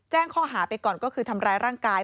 แจ้งข้อหาไปก่อนก็คือทำร้ายร่างกาย